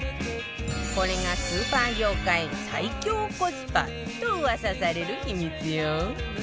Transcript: これがスーパー業界最強コスパと噂される秘密よ